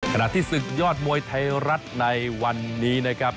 ขณะที่ศึกยอดมวยไทยรัฐในวันนี้นะครับ